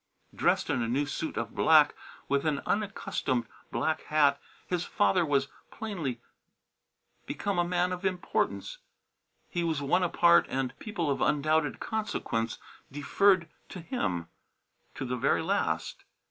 Dressed in a new suit of black, with an unaccustomed black hat, his father was plainly become a man of importance. He was one apart, and people of undoubted consequence deferred to him to the very last.